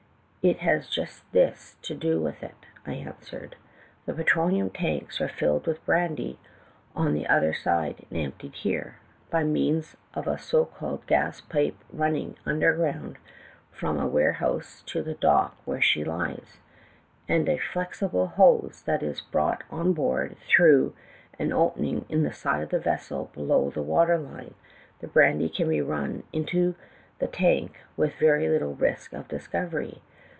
"'It has just this to do with it,' I answered: 'The petroleum tanks are filled with brandy on the other side and emptied here. By means of a so called gas pipe running underground from a warehouse to the dock where she lies, and a flex ible hose that is brought on board through an opening in the side of the vessel below the water line, the brandy can be run into the tank with very little risk of discovery.